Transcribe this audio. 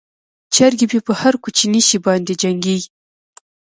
چرګې مې په هر کوچني شي باندې جنګیږي.